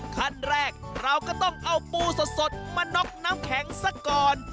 ขั้นแรกเราก็ต้องเอาปูสดมาน็อกน้ำแข็งซะก่อน